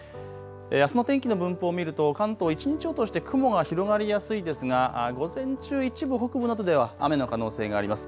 あすの天気の分布を見ると関東一日を通して雲が広がりやすいですが午前中、一部北部などでは雨の可能性があります。